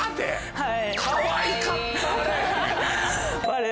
はい。